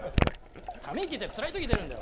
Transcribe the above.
ため息ってのはつらい時に出るんだよ。